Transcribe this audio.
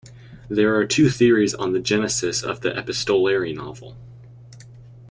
There are two theories on the genesis of the epistolary novel.